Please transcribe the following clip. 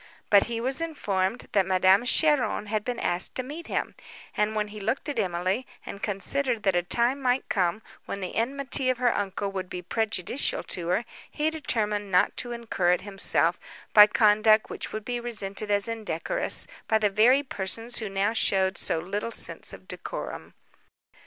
But he was informed, that Madame Cheron had been asked to meet him; and, when he looked at Emily, and considered that a time might come when the enmity of her uncle would be prejudicial to her, he determined not to incur it himself, by conduct which would be resented as indecorous, by the very persons who now showed so little sense of decorum.